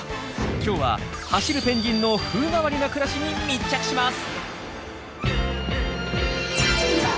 今日は走るペンギンの風変わりな暮らしに密着します。